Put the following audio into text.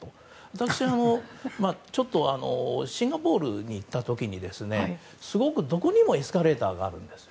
私もシンガポールに行った時にどこにもエスカレーターがあるんです。